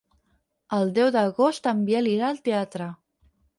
El deu d'agost en Biel irà al teatre.